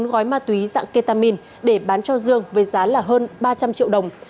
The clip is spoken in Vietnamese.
bốn gói ma túy dạng ketamine để bán cho dương với giá hơn ba trăm linh triệu đồng